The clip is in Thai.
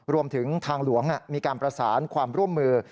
รวมถึงทางหลวงมีการประสานความร่วมมือ